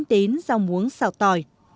đến rau muống xào tỏi